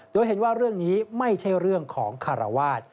โดยเห็นว่าเรื่องนี้ไม่ใช่เรื่องของคารวาส